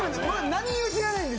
何にも知らないんですよ。